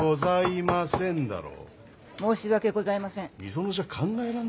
申し訳ございません。